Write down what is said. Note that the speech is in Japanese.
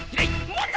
もっと。